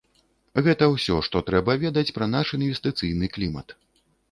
Гэта ўсё, што трэба ведаць пра наш інвестыцыйны клімат.